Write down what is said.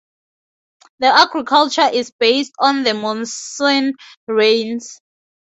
The agriculture is based on the monsoon rains.